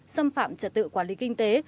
xâm phạm trật tự quản lý kinh tế